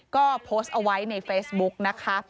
ก็โพสต์เอาไว้ในเฟซบุ๊กนะคะ